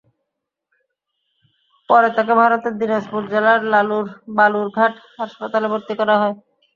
পরে তাঁকে ভারতের দিনাজপুর জেলার বালুর ঘাট হাসপাতালে ভর্তি করা হয়।